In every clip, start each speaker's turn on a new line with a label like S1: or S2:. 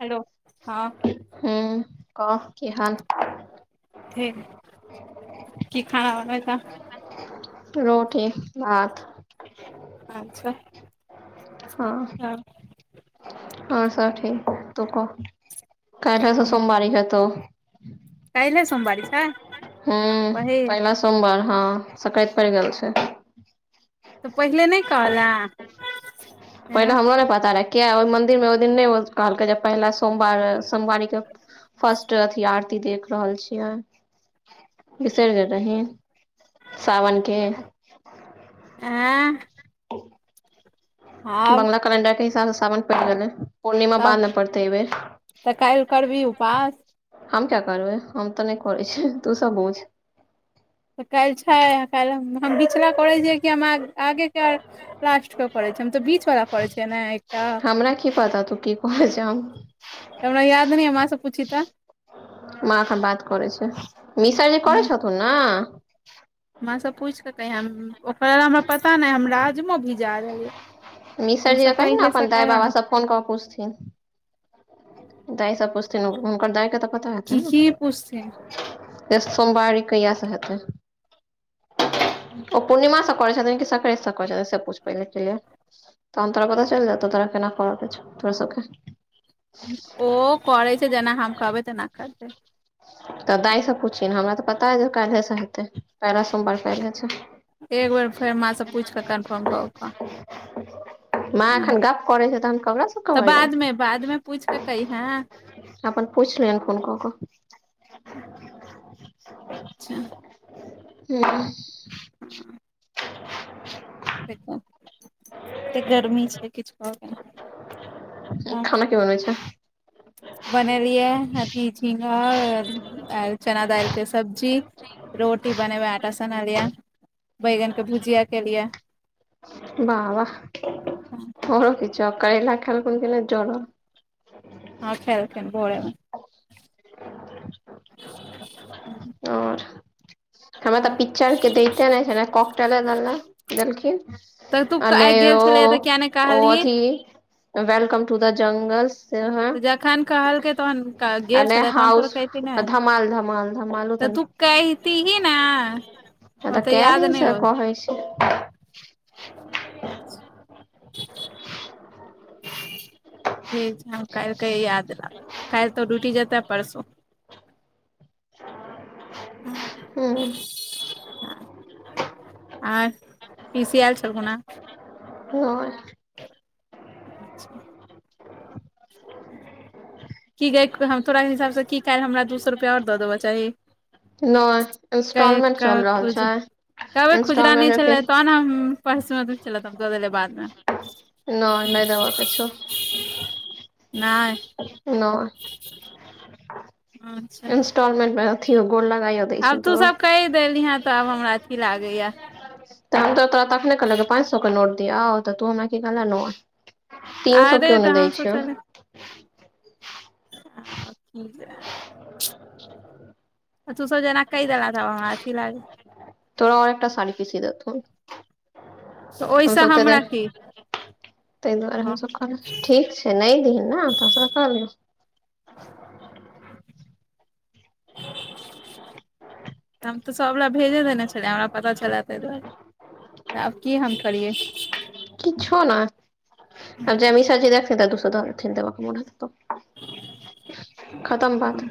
S1: Hello हँ
S2: हूँ कह केंहन
S1: फेर की खाना बनबै छैंऽ।
S2: रोटे भात
S1: अच्छा
S2: हँ - हँ सब ठीक तू कह कैल्हे से सोमवारी हे तौ,
S1: कैल्हे सोमवारी छैय,
S2: हूँ पहिला सोमवार हँ सक्रैत पैड़ गेल छैय,
S1: तऽ पहिले नैय कहलें
S2: पहिले हमरो नैय पता रहै, किया ओय मंन्दिर मे ओय दिन नैय कहलकै जे पहिला सोमवार सोमवारी के फस्ट अथि आरती देख सहल छि आइ, बिसैर गेल रही सावन के
S1: एैं
S2: बंगला कैलंडर के हिसाब स सावन पैड़ गेलै। पूर्णिमा बाद मे
S1: तब
S2: पड़तै ऐय
S1: तऽ काल्हि
S2: बेर
S1: करबही उपास
S2: हम किया करबै, हम तऽ नहि करै छि तू सब बूझ
S1: त कैल्ह छैय, कैल्ह हम-हम बिचला करै छियै कि, हम आगे के आ लास्ट के करै छि, हम त बीच बला करै छियै ने एकटा
S2: हमरा की पता तू की [unintelligible]
S1: हमरा याद नहि अय माँ से पूछही त
S2: माँ एखन बात करै छै, मिशर जी करै छथुन न
S1: माँ सँ पूइछ क कहियै, ओकरा हमरा पता नहि हम राजमो भीजा देलियै। तू
S2: मीसरजी के
S1: सब
S2: कहि न
S1: पहिले से
S2: अपन दाय
S1: करह
S2: बाबा
S1: ने
S2: स फोन क पुछथिन, दाय सब पुछथिन हुनकर दाय के त
S1: की -की पूछथिन।
S2: [unintelligible] सोमवारी कहिया से हेतै। ओ पूर्णिमा से करै छथिन कि संक्रैत से करै छथिन, से पुछ पहिले [unintelligible] तहन तोरा पता चैल जेतौ, तोरा केना करै के छौ तोरा सब के।
S1: ओ करै छैय, जेना हम कहबै तेना करतै।
S2: तऽ दाय सँ पूछिन, हमरा त पता अय जे काल्हे सँ हेतै, पहिला सोमवारी कैल्हे छैय।
S1: एक बेर फेर माँ स पूइछ के कन्फर्म क क कह,
S2: माँ एखन
S1: हूँ
S2: गप करै छै तहन ककरा से
S1: त
S2: कहबै यौ
S1: बाद म बाद में पूइछ कऽ कैहें।
S2: अपन पूइछ लहिन फोन क क
S1: अच्छा
S2: [unintelligible]
S1: [unintelligible] ते गर्मी छै किछ कहऽ के नहि हँ
S2: खाना की बनबै छैए।
S1: बनेलियै अथी झिंगा आ चना दालिक सब्जी। रोटी बने बए आटा सनालिया, बैगन के भुजिया केेलियैं।
S2: वाह-वाह ओरो किछो, करेला खेलखून कि‌ नै जरल
S1: हँ खेलखिन भोरे में
S2: और हमरा तऽ पिक्चर के दैते नहि छै ने कॉक टेले देला देलखिन
S1: तऽ तू
S2: नै
S1: आइ गेल
S2: ओ
S1: छलैया तऽ किया नहि
S2: ओ
S1: कहलही
S2: अथि वेलकम टू द जंगलस से ह
S1: तऽ जखन कहलकै तहन गेल
S2: अआ
S1: छलै तहन तोरा
S2: हाउस
S1: कहिती
S2: धमाल-धमाल-धमालो त नहि
S1: कहितीही न ओतेऽ याद नहि रहै।
S2: होइ छै।
S1: ठीक छै हम काइल क याद राखब काइल त‌ ओ डुटी जेता पड़सो हं
S2: हम्म
S1: आओर पीसी ऐल छलखुन हैं।
S2: नहि
S1: अच्छा की गय हम तोरा हिसाब सँ कि काइल हमरा दू सौ रुपया अओर दऽ देबऽ चाही।
S2: नहि
S1: कहे
S2: इंस्टॉलमेंट चल
S1: कह
S2: रहल
S1: खुज
S2: छै।
S1: कहबै खुदरा
S2: इंस्टॉलमेंट
S1: नैय
S2: मे फिर
S1: छलै तहन हम पर्स में नैय छलब दऽ देलै बादमे
S2: नैय नै देवा के छौ।
S1: नैय
S2: नैय
S1: अच्छा
S2: जहन म अथियो गोर लगायो
S1: आब तू सब कैह देलीहे तऽ आब हमरा अथि लागै ये
S2: तऽ हम तऽ तोरा तखने कहलियो पाँच सए के नोट दियो तऽ तू हमरा कि कहलें नैय। तीन सौ
S1: अरे
S2: किओ
S1: तऽ
S2: नैय दैय
S1: हम
S2: छैय।
S1: सोचल तु सब जे एना कहि देला तऽ हमरा अथी लागे
S2: तोरा एकटा साड़ी पीसी देथुन।
S1: तऽ ओहिसँ
S2: हमसब तऽ
S1: हमरा की
S2: ताहि दुआरे
S1: हँ
S2: हमस ठीक छैय। नैय दहि ने तबस त कर दियौ [unintelligible]
S1: हम तऽ सबले भेजे देने छलिय हमरा पता छलए ताहि दुआरे आब की हम करियै।
S2: किछो नैय। आ
S1: हँ
S2: ज मिशरजी देखतै तऽ दूसए द दथिन देबक मुन हेतैन तऽ खतम बात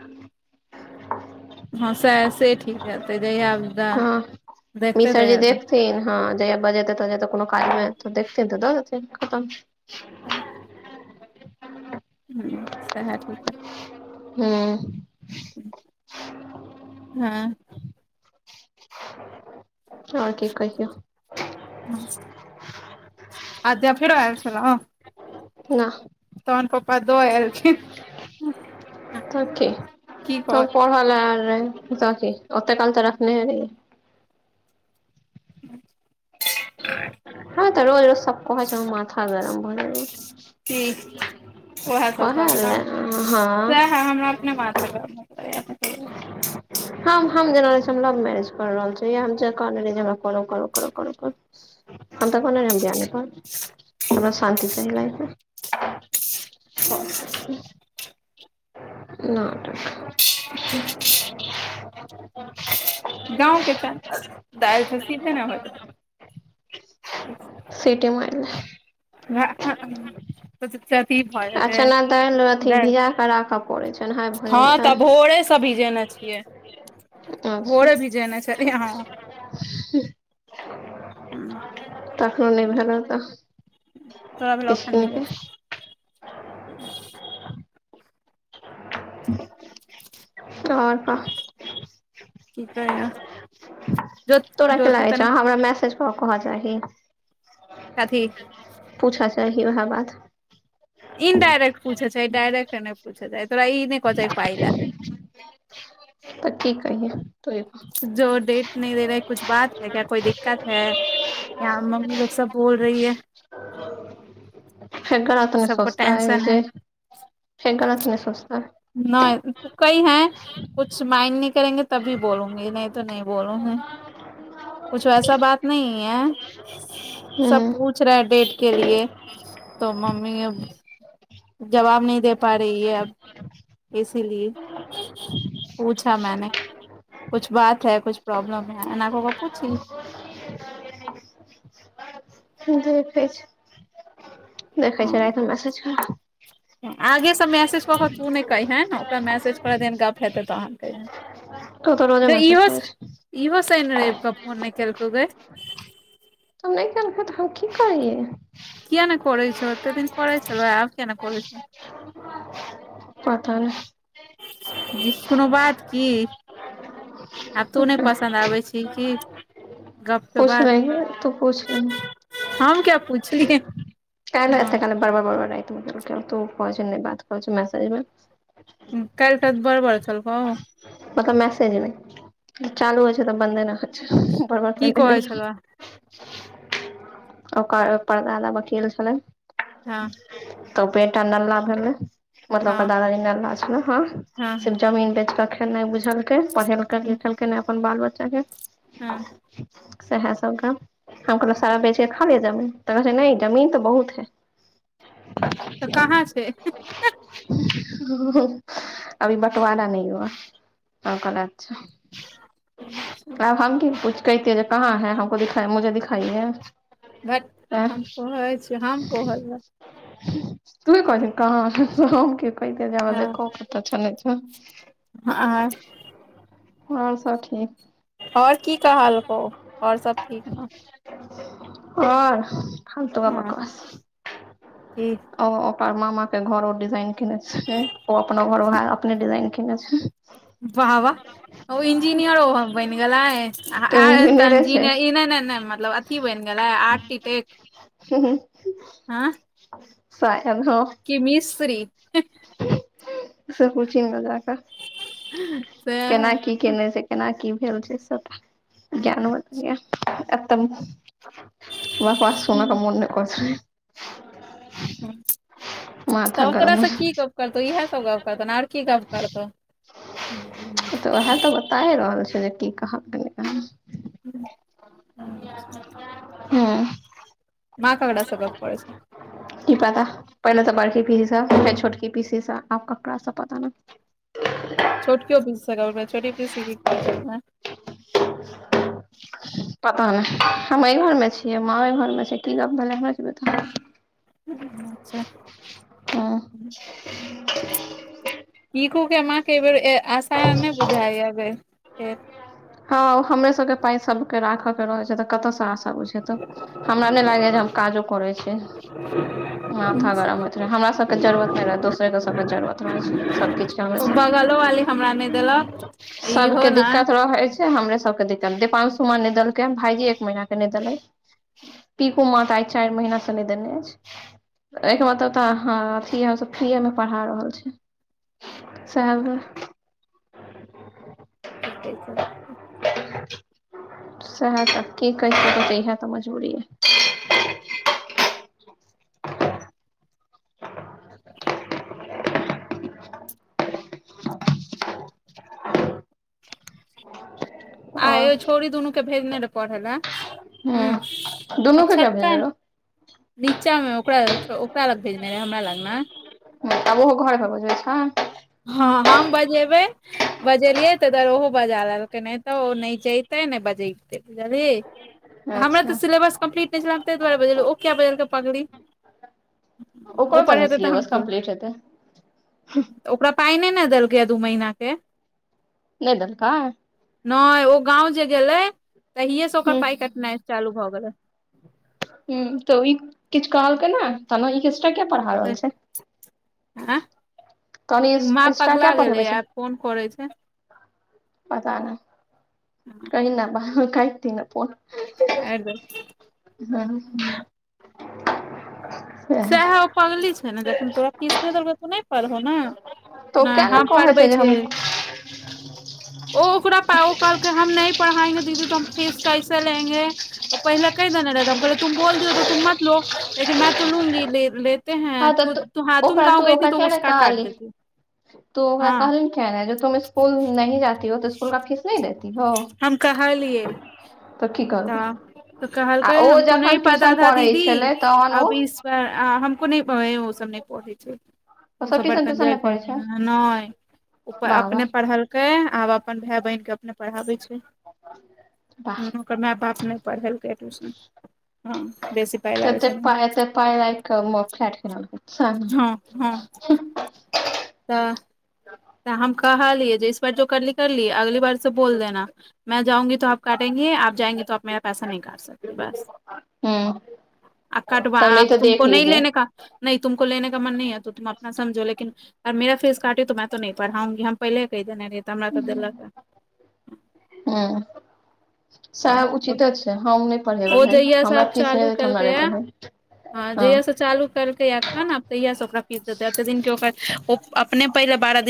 S1: हां सए से ठीक रहतै जहिया द-
S2: हां
S1: देखतै
S2: मिशरजी
S1: तहिया
S2: देखथिन हां जहिया बजतै-तजेतै कोनो काज मे तऽ देखथिन तऽ दऽ देथिन खतम
S1: हां
S2: [inaudible]
S1: हूँ सएह ठीक रहतै।
S2: हूॅं
S1: हां
S2: और कि कहियो
S1: आध्या फेरो आयल छलो।
S2: नएह
S1: तहन पप्पा दऽ एलखिन।
S2: तऽ की
S1: की कह
S2: तब पढ़ल आएह रहे। पता छैय, ओतऽ काल तऽ रखने रहैए।
S1: [inaudible]
S2: ह तऽ रोज-रोज सब कहै छैय, माथा गरम भए जाइए।
S1: की ओएह सब
S2: ओहे
S1: कहबै ने
S2: नैय हां।
S1: सएह हमरा अपने माथा गरम भऽ जाइए।
S2: [inaudible] हम, हम जेना हम लव मैरेज कर रहल छियै हम कहने रही करब करब करब करब हम त कहने रहियै हम बियाह नैय करब हमरा शान्ति चाही लाइफमे।
S1: सएह
S2: नाटक।
S1: [inaudible]
S2: [inaudible]
S1: गाँव के तेय दालि तऽ सीधे नैय होइत रहत। अच्छा।
S2: सिटि मारलक।
S1: ह हा सरदी भ
S2: आ
S1: जेतै,
S2: चना दालि अथी
S1: नै,
S2: भिजा कऽ राखऽ पड़ै छै ओनाहि भऽ
S1: हँ
S2: जाइ छै
S1: तऽ भोरे स भीजेने छै। भोरे भीजेने छलै हँ।
S2: ह [inaudible] खा नहि भेल हेत [unintelligible]
S1: तोरा भेलो अखैन
S2: [unintelligible] और कह।
S1: की कहै ये, जो ज्योति तने
S2: तो कहां जाएगी।
S1: कथी।
S2: पूछऽ चाही ओहे बात
S1: इनडारेक्ट पूछऽ चाही, डायरेक्ट नै पूछै चाही तोरा ई नहि कह चाही पाइले
S2: कथी कहिएं तै
S1: जो डेट नहि दे रहे हैं कुछ बात है क्या कोई दिक्कत है [unintelligible] यार मम्मी लोग सब बोल रही है [unintelligible]
S2: [inaudible] फेर गलत
S1: सबको टेंशन है [unintelligible]
S2: से गलत नहि सोचतहि।
S1: नहि कहि हैं। कुछु मांइड नहि करेंगे तभी बोलूंगी नहि तो नहि बोलूंगी [unintelligible] कुछ ऐसा बात नहीं है सब कुछ [unintelligible]
S2: ह
S1: पूछ रहे हैं डेट के लिए तो मम्मी [unintelligible] जवाब नहि दे पा रही है अब [unintelligible] इसीलिए पूछा मैने [unintelligible] कुछ बात है कुछ प्रॉब्लम है [unintelligible] एना कके पूछही
S2: देखै छै देखै छै एक बेर मैसेज क के
S1: आगेसँ मैसेज कऽ केऽ तू नहि कहिहेै ओकरा मैसेज कर दहि गप हेतै तहन कहि हैं।
S2: तो तऽ रोजे मैसेज करय छहि।
S1: इहो शनि रविके फोन नहि केलकौ गे।
S2: त नहि केलकै तऽ हम की करियै।
S1: किया नहि करय छौ एतेक दिन करै छलौ आब नहि करय छौ।
S2: पता नहि।
S1: कोनो बात की। आब तू नहि पसन्द आबै छही कि गप्पके
S2: पूछ
S1: बाद।
S2: लही तू पूछ लही
S1: हम किया पूछियै।
S2: बार बार बार रइत तऽ ओ कह नहि बात कह मैसेज मे।
S1: काल तक बर बर केलकौ।
S2: मतलब मेसज एले चालू होइ छै तऽ बन्द नहि होई छै बढ़ बढ़
S1: की
S2: पॉइंट रहे
S1: कहै
S2: छै।
S1: छलौ
S2: ओकर परदादा वकील छलै।
S1: हँ
S2: त बेटा नला भेलै। मतलब
S1: हँ
S2: ओकर दादाजी नालायक छलै हँ
S1: हँ
S2: सिर्फ जमीन बेचिके खेनाइ बुझलके पढ़ेलकई नहि। कहियो देखलकै नै अपन बाल बच्चा के।
S1: हँ।
S2: सएह सब कऽ हम कहिलिय सारा बेचके खा लिय जमीन। त कहै नहि जमीन त बहुत है।
S1: तऽ कहाँ छै
S2: [unintelligible] [unintelligible] हम कहलहुँ अच्छा। आब हम की पूछैतियै [unintelligible]
S1: भट हम कहै छी हम कहय ले।
S2: तू ही कहली कहाँके त हम के। [unintelligible] देखो के त छनइ छैय।
S1: हँ
S2: और सब ठीक।
S1: और की कहलकौ और सब ठीक न।
S2: ओर कोर
S1: हँ
S2: बकवास।
S1: की
S2: ओ अपन मामा के घर ओ डिजाइन केने छैय ओ अपनो घोर ओहे अपने डिजाइन केने छैय।
S1: वाह -वाह। ओ इंजीनियरो ओहो बनि गेलै
S2: तो
S1: अह
S2: इंजीनियरे छै
S1: इंजीनियर इ नय- नय -नय मतलब की बन गेलै। आर्टिटेक्ट
S2: [unintelligible]
S1: की मिस्त्री।
S2: से पुछही गे जाकऽ। केना
S1: सेह।
S2: की केने से केना की भेल छैय सबटा ज्ञान ओतबि य [unintelligible] हमरा बात सुना के मोन नय करय छैय। माथा
S1: त ओ
S2: गरम
S1: तोरा
S2: हो
S1: स की
S2: जाइ।
S1: गप करतौ इएह सब गप करतौ न आर की गप्प करतौ। [inaudible]
S2: त उएह त बताए रहल छैय जे की कहा [unintelligible] हूँ।
S1: माँ ककरा स गप करय छैय।
S2: की पता पहिले त बड़की पीसी स फेर छोटकी पीसी स आब ककरा स पता नय।
S1: छोटकियो पीसी स गप भेल छोटकी पीसी की कहै छेलखिन हें।
S2: [inaudible] पता नय हम अय घरमे छियै माँ ओइ घरमे छैय की गप भेलै हमरा की पता।
S1: अच्छा।
S2: हँ
S1: पीकूके माके अय बेर ऐ आसा नय बुझाइये अय बेर फेर।
S2: हँ हमरे सब के पाइ सब के राखे के रहै छैय त कतऽ स आसा। बुझे त हमरा नहि लागइये जे हम काजो कोरय छियै। माथा गरम होइत रहैये, हमरा सभके जरूुरत नहि रहै दोसरे दोसरके जरूरत रहै छैय सभकिछके
S1: ओ
S2: हमेशा।
S1: बगलो वाली हमरा नहि देलक इहो
S2: सबके
S1: ने
S2: दिक्कत रोहै छैय। हमरे सबके दिक्कत दीपांशु मा नहि देलकै भाईजी एक महीना के नहि देलैथ। पीकू मा त आइ चाइर महीना स नहि देने अछि। एयके मतलब त ह अथी हम सब फ्रीयेमे पढ़ा रहल छी सेह बुझ।
S1: ठीक अइ सब।
S2: सेहे त की करियै इहे त मज़बूरी अइ।
S1: [inaudible] आ यै
S2: और
S1: छोरी दुनू के भेजने रहय पढ़े लए। हु
S2: हूँ
S1: आ
S2: दुनू के किया भेजने
S1: छ्पन
S2: रहो
S1: नीचामे ओकरा-ओकरा लग भेजने रहे हमरा लग नय।
S2: त ओहो घरमे बजबै छैन।
S1: हां, हम बजेबै। बजेलियै तऽधर ओहो बजा लेलकै नैय तऽ ओ नैय जैते ने बजेे तैय जे भी हमरा
S2: अच्छा
S1: तऽ सिलेबस कम्पलीट नैय अइछ हम ताहि दुआरे बजेलियै, ओ कियै बजेलके पगली
S2: ओकरो
S1: उ
S2: नहि
S1: पढ़ेतै तैय
S2: सिलेबस
S1: हमस
S2: कम्प्लीट तऽ [unintelligible]
S1: ओकरा पाइ नैय ने देलकैय हे दू महीना के
S2: नैय देलकै।
S1: नैय ओ गाँंव जे गेलै तहिए से ओकर
S2: ह
S1: पाइ कटनाइ चालू भऽ गेलै।
S2: हूं, तऽ ई किछ कहलकै नैय त ने ई कियके पढ़ा रहल
S1: आँ
S2: छैय कहलियै इंस्टा क्य पढ़ेबे छैय।
S1: कोन कोरै छैय।
S2: पता नैय।
S1: हां
S2: कहि नैय बा कथि ने फोन
S1: काटि
S2: हां
S1: सएह ओ पगली छैय ने जखन तोरा फीस नैय देलकौ तो नैय पढ़ा
S2: तो के नैय कहै छैय, जे हम
S1: छियै ओ ओकरा पाउ ओ कहलकै हम नैय पढ़ायेंगे दीदी तो हम फीस कैसे लेंगे। पहिल कहि देने रह हम कहले तुम बोल दी हो तो तुम मत लो लेकिन मैं तो लूंगी। लेते है
S2: हँ तऽ
S1: खुद हां तुम
S2: ओकरा
S1: गाँव
S2: तू
S1: गई थी
S2: ओकरा
S1: तो
S2: किया ने
S1: उसका काट
S2: कहली
S1: देती हूॅं।
S2: तू ओकरा कहली कियै नैय, जे तुम स्कूल नही जाती हो तो स्कूल का फीस नही देती हो।
S1: हम कहलियै।
S2: की करबो
S1: तऽ तऽ
S2: आ
S1: कहलकै
S2: ओ
S1: हमको नही
S2: जखन
S1: पता
S2: ट्यूशन
S1: था
S2: पढ़ै
S1: दीदी
S2: छलै तहन ओ
S1: अब इस पर हमको नैय ओ सब नैय पढ़ै छैय। ओ
S2: सब
S1: सभ बड़
S2: ट्यूशन त्यूशन
S1: कनजर
S2: नहि
S1: छैय,
S2: पढ़ै छै
S1: नैय ओ
S2: वाह
S1: अपने
S2: वाह
S1: पढ़ल के आब अपन भाय बहिन के अपने पढ़ाबै छैय
S2: वाह
S1: ह ओकर माय-बाप नैय पढ़ेलकै ट्यूशन। हां, बेसी पाय लागै
S2: तते
S1: छैय नैय
S2: पाय एते पाय राखि कऽ म फ्लैट किनलकै सैह न
S1: हां हां [inaudible] तऽ तऽ हम कहलियै, जे इस बार जो करली-करली अगली बार बोल देना मैं जाउंगी तो आफ काटेंगे आप जाएंगे तो मेरा पैसा नहीं काट सके
S2: हूॅं
S1: आ कटवा आब तुमको नहीं
S2: लीजिए
S1: लेने का नही तुमको लेने का मन नहीं है तो तुम अपना समझो लेकिन मगर मेरा फेस काटि तो मै तो नही पढ़ाउगि पर हम पहिले कहि देने रहि तऽ हमरा तऽ देलक।
S2: हूॅं सएह उचितो छैय, हम नैय पढ़ेबै
S1: ओ
S2: भाय
S1: जहिया
S2: हमरा फीस नैय देत हमरा नैय पढ़ाब।
S1: हां जहिया से चालू केलकै अखन आब तहिया से ओकरा फीस देतै एते दिन अपने पहिले बारह दिन